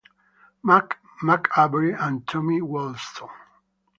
"Mac" McAvery and Tommy Walston.